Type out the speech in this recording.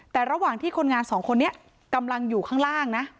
แต่ระหว่างที่คนงานสองคนนี้กำลังอยู่ข้างล่างนะ